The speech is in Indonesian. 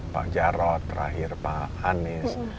pak pak jaro terakhir pak hanis